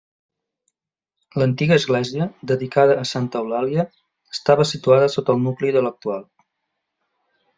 L'antiga església, dedicada a Santa Eulàlia, estava situada sota el nucli de l'actual.